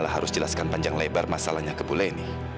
saya harus jelaskan panjang lebar masalahnya ke bule ini